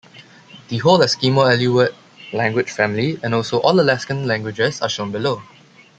The whole Eskimo-Aleut language family, and also all Alaskan languages are shown below.